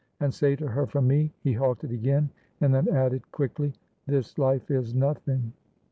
"And say to her from me —" He halted again, and then added quickly, "This life is nothing!"